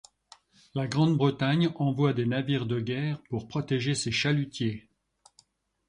La Grande-Bretagne envoie des navires de guerre pour protéger ses chalutiers.